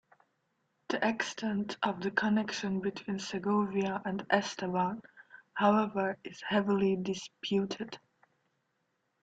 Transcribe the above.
The extent of the connection between Segovia and Esteban, however, is heavily disputed.